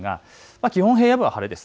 基本、平野部は晴れです。